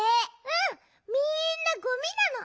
うんみんなゴミなの。